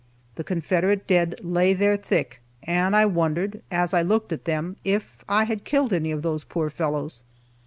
The Confederate dead lay there thick, and I wondered, as I looked at them, if I had killed any of those poor fellows.